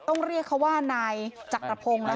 ต้องเรียกเขาว่านายจักรพงศ์